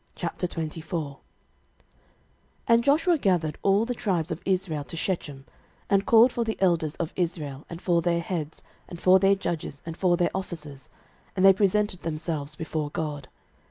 06:024:001 And Joshua gathered all the tribes of Israel to Shechem, and called for the elders of Israel, and for their heads, and for their judges, and for their officers; and they presented themselves before God.